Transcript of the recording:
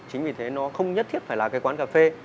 chính vì thế nó không nhất thiết phải là cái quán cà phê